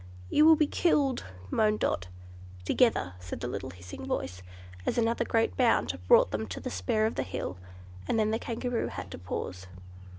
"You will be killed," moaned Dot. "Together!" said the little hissing voice, as another great bound brought them to the spur of the hill; and then the Kangaroo had to pause.